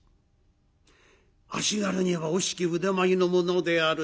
「足軽には惜しき腕前の者である。